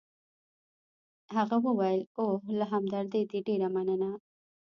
هغه وویل: اوه، له همدردۍ دي ډېره مننه.